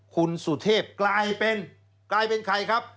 คุณสุเทพกลายเป็นกลายเป็นใครครับ